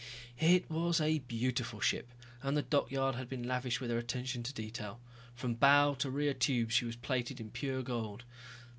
It was a beautiful ship, and the dockyard had been lavish with their attention to detail. From bow to rear tubes she was plated in pure gold.